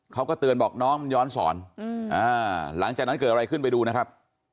เขาก็เตือนบอกน้องมันย้อนสอนหลังจากนั้นเกิดอะไรขึ้นไปดูนะครับ